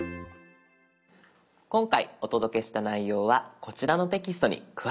今回お届けした内容はこちらのテキストに詳しく載っています。